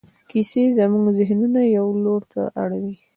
کیسې زموږ ذهنونه یوه لور ته اړوي.